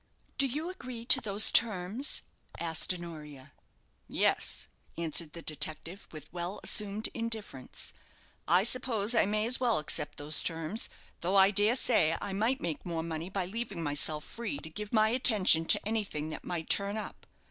"Do you agree to those terms?" asked Honoria. "Yes," answered the detective, with well assumed indifference; "I suppose I may as well accept those terms, though I dare say I might make more money by leaving myself free to give my attention to anything that might turn up.